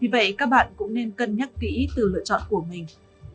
vì vậy các bạn cũng nên cân nhắc kỹ từ lựa chọn của mình